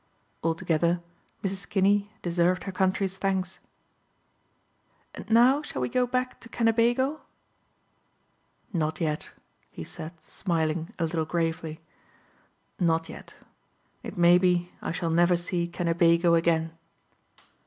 Altogether Mrs. Kinney deserved her country's thanks. "And now shall we go back to Kennebago?" "Not yet," he said smiling a little gravely. "Not yet. It may be I shall never see Kennebago again."